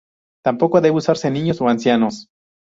Tampoco debe usarse en niños o ancianos.